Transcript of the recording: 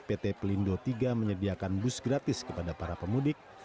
pt pelindo tiga menyediakan bus gratis kepada para pemudik